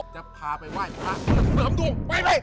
จะพาไปไหว้วัดเผื่อมดูไป